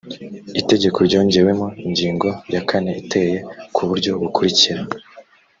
itegeko ryongewemo ingingo ya kane iteye ku buryo bukurikira